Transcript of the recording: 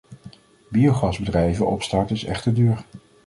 Biogasbedrijven opstarten is echter duur.